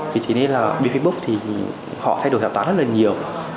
vì thế nên là bên facebook thì họ thay đổi hạ toán rất là nhiều